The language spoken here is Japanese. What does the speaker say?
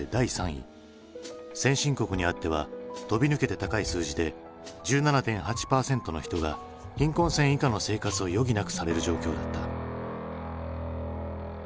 先進国にあっては飛び抜けて高い数字で１７．８％の人が貧困線以下の生活を余儀なくされる状況だった。